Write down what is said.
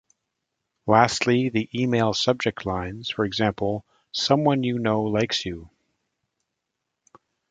Lastly, the email subject lines - for example, Someone you know likes you!